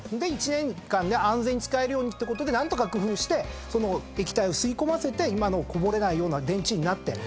１年間で安全に使えるようにってことで工夫してその液体を吸い込ませて今のこぼれないような電池になってると。